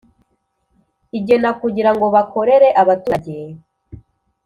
igena kugira ngo bakorere abaturage